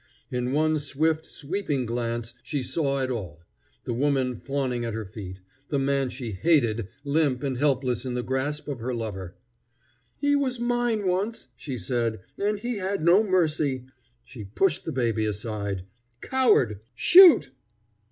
In one swift, sweeping glance she saw it all: the woman fawning at her feet, the man she hated limp and helpless in the grasp of her lover. "He was mine once," she said, "and he had no mercy." She pushed the baby aside. "Coward, shoot!"